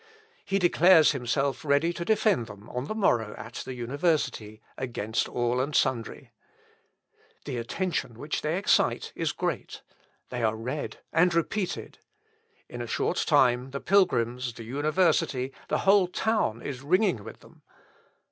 He declares himself ready to defend them on the morrow at the university, against all and sundry. The attention which they excite is great; they are read and repeated. In a short time the pilgrims, the university, the whole town is ringing with them.